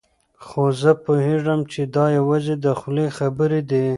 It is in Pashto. خو زه پوهېږم چې دا یوازې د خولې خبرې دي.